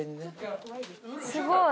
すごい。